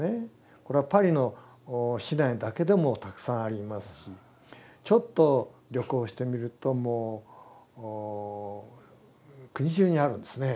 これはパリの市内だけでもたくさんありますしちょっと旅行してみるともう国中にあるんですね。